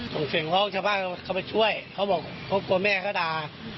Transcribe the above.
ส่งเสียงร้องชาวบ้านเขาไปช่วยเขาบอกเขากลัวแม่ก็ด่า